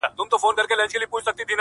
زړه یوسې او پټ یې په دسمال کي کړې بدل’